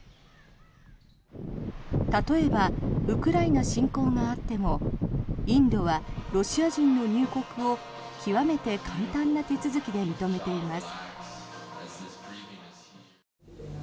例えばウクライナ侵攻があってもインドはロシア人の入国を極めて簡単な手続きで認めています。